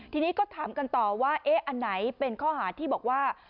ทีนี้ก็ถามกันต่อว่าเอ๊ะอันไหนเป็นข้อหาที่บอกว่า